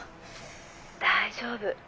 大丈夫。